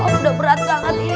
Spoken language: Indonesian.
udah berat banget ini